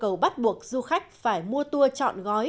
các lượng khách bằng yêu cầu bắt buộc du khách phải mua tour chọn gói